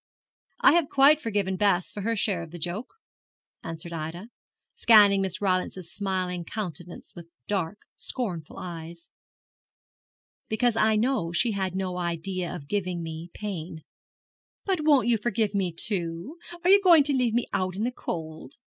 'I have quite forgiven Bess her share of the joke,' answered Ida, scanning Miss Rylance's smiling countenance with dark, scornful eyes, 'because I know she had no idea of giving me pain.' 'But won't you forgive me too? Are you going to leave me out in the cold?'